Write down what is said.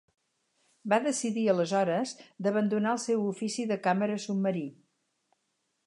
Va decidir aleshores d'abandonar el seu ofici de càmera submarí.